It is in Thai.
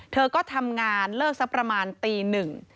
เธอก็ทำงานเลิกสักประมาณตีหนึ่ง